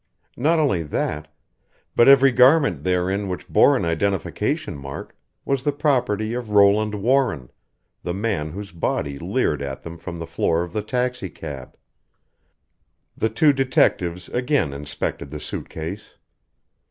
Not only that, but every garment therein which bore an identification mark was the property of Roland Warren, the man whose body leered at them from the floor of the taxicab. The two detectives again inspected the suit case.